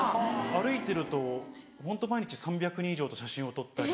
歩いてるとホント毎日３００人以上と写真を撮ったり。